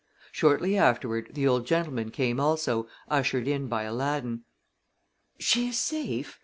Shortly afterward the old gentleman came also, ushered in by Aladdin. "She is safe?"